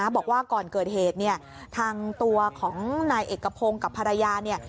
บอกว่าก่อนเกิดเหตุเนี่ยทางตัวของนายเอกพงศ์กับภรรยาเนี่ย